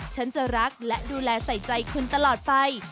ฉันจะรักและดูแลใส่ใจคุณตลอดไป